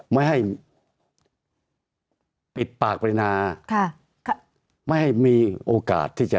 ไม่ให้ปิดปากปรินาค่ะไม่ให้มีโอกาสที่จะ